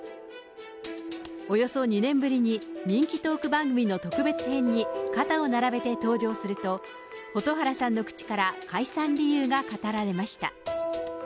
およそ２年ぶりに人気トーク番組の特別編に肩を並べて登場すると、蛍原さんの口から、解散理由が語られました。